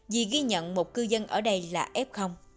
vì ghi nhận một cư dân ở đây là f